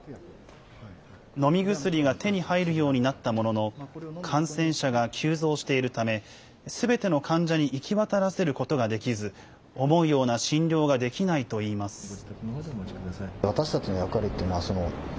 飲み薬が手に入るようになったものの、感染者が急増しているため、すべての患者に行き渡らせることができず、思うような診療ができないといいます。